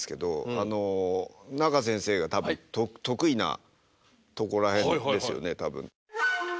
あの中先生が多分得意なとこら辺ですよね多分。